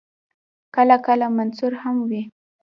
کله کله منثور هم وي.